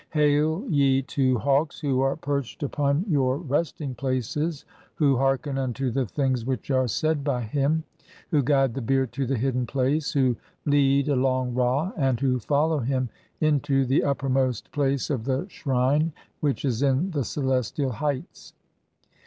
Hail, ye two hawks who are perched upon THE CHAPTER OF COMING FORTH BY DAY. 1 13 "your resting places, who hearken unto (6) the things which are "said by him, who guide the bier to the hidden place, who lead "along Ra, and (7) who follow [him] into the uppermost place of "the shrine which is in the celestial heights